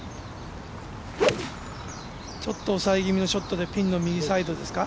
ちょっと抑え気味のショットでピンの右サイドですか。